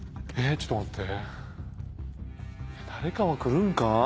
ちょっと待って。